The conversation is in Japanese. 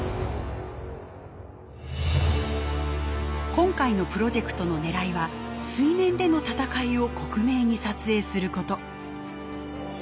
今回のプロジェクトの狙いは水面での闘いを克明に撮影すること。